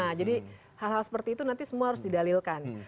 nah jadi hal hal seperti itu nanti semua harus didalilkan